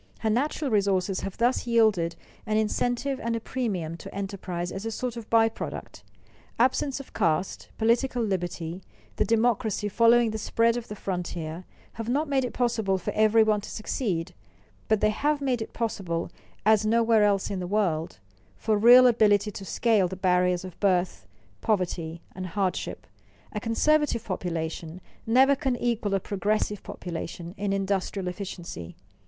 Her natural resources have thus yielded an incentive and a premium to enterprise as a sort of by product. Absence of caste, political liberty, the democracy following the spread of the frontier, have not made it possible for every one to succeed, but they have made it possible, as nowhere else in the world, for real ability to scale the barriers of birth, poverty, and hardship. A conservative population never can equal a progressive population in industrial efficiency.